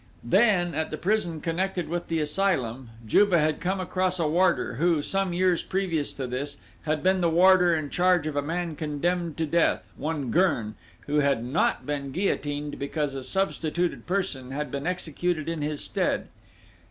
Then, at the prison connected with the asylum, Juve had come across a warder, who, some years previous to this, had been the warder in charge of a man condemned to death, one Gurn, who had not been guillotined because a substituted person had been executed in his stead.